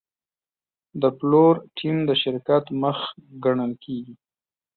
د پلور ټیم د شرکت مخ ګڼل کېږي.